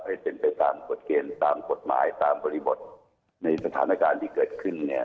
ให้เป็นไปตามกฎเกณฑ์ตามกฎหมายตามบริบทในสถานการณ์ที่เกิดขึ้นเนี่ย